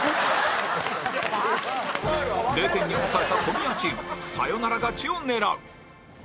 ０点に抑えた小宮チームサヨナラ勝ちを狙う